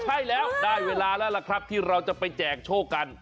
ใช่แล้วได้เวลาแล้วล่ะครับที่เราจะไปแจกโชคกัน